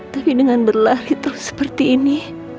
tapi dengan berlari terus seperti ini